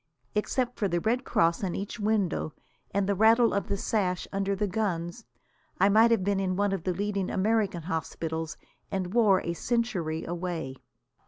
Except for the red cross on each window and the rattle of the sash under the guns, I might have been in one of the leading American hospitals and war a century away.